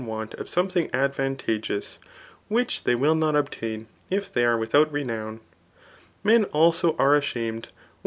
want of someihing admw iHgeotjA, which they will not obtain if they are wi^ut fenowxi. Hen sdao are ashamed when